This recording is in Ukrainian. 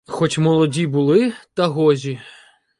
Хоть молоді були, та гожі